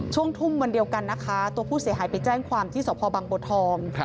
ช่วงทุ่มวันเดียวกันนะคะตัวผู้เสียหายไปแจ้งความที่สพบังบัวทอง